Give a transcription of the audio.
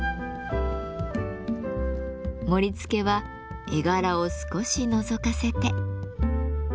盛りつけは絵柄を少しのぞかせて。